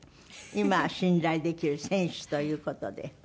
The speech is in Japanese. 今は信頼できる選手という事で。